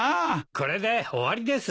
これで終わりです。